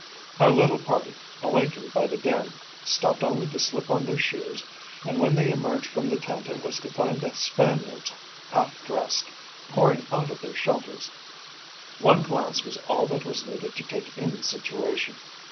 Our little party, awakened by the din, stopped only to slip on their shoes, and when they emerged from the tent it was to find the Spaniards half dressed, pouring out of their shelters. One glance was all that was needed to take in the situation.